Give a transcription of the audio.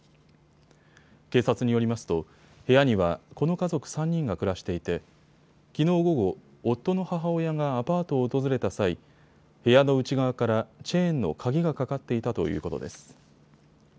警察によりますと、部屋にはこの家族３人が暮らしていてきのう午後、夫の母親がアパートを訪れた際、部屋の内側からチェーンの鍵がかかっていたということです。